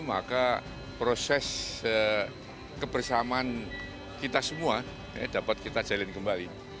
maka proses kebersamaan kita semua dapat kita jalin kembali